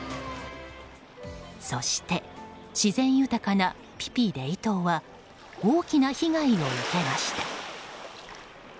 そして自然豊かなピピ・レイ島は大きな被害を受けました。